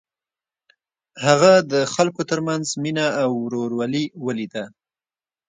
هغه د خلکو تر منځ مینه او ورورولي ولیده.